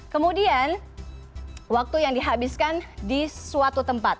kemudian waktu yang dihabiskan di suatu tempat